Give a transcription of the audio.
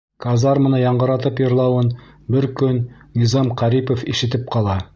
Казарманы яңғыратып йырлауын бер көн Низам Ҡәрипов ишетеп ҡала.